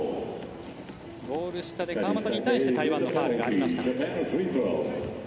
ゴール下で川真田に対して台湾のファウルがありました。